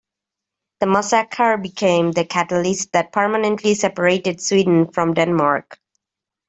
The massacre became the catalyst that permanently separated Sweden from Denmark.